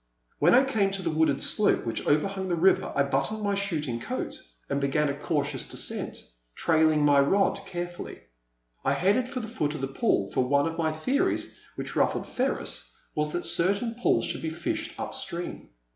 When I came to the wooded slope which over hung the river I buttoned my shooting coat and began a cautious descent, trailing my rod care fully. I headed for the foot of the pool, for one of my theories, which ruffled Ferris, was that cer tain pools should be fished up stream.